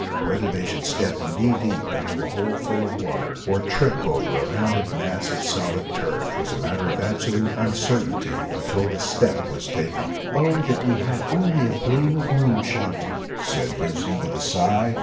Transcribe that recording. Whether they should step knee deep into a hole full of water, or trip over a rounded mass of solid turf, was a matter of absolute uncertainty until the step was taken. "Oh that we had only a gleam of moonshine," said Lucy with a sigh.